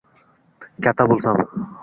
Katta bo‘lsam…